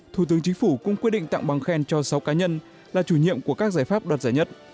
thủ tướng chính phủ cũng quyết định tặng bằng khen cho sáu cá nhân là chủ nhiệm của các giải pháp đoạt giải nhất